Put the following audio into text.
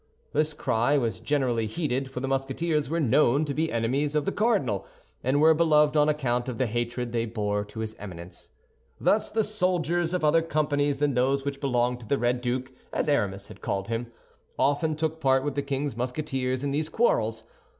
This cry was generally heeded; for the Musketeers were known to be enemies of the cardinal, and were beloved on account of the hatred they bore to his Eminence. Thus the soldiers of other companies than those which belonged to the Red Duke, as Aramis had called him, often took part with the king's Musketeers in these quarrels.